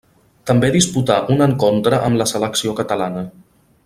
També disputà un encontre amb la selecció catalana.